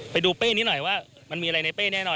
ไปดูเป้นี้หน่อยว่ามันมีอะไรในเป้แน่นอน